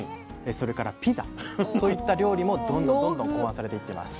それからピザといった料理もどんどん考案されていってます。